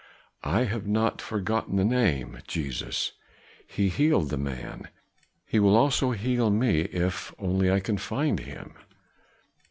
"I have not forgotten the name, Jesus. He healed the man, he will also heal me if only I can find him."